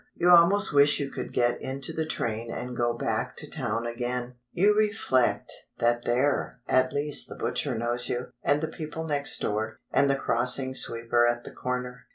You almost wish you could get into the train and go back to town again; you reflect that there at least the butcher knows you, and the people next door, and the crossing sweeper at the corner.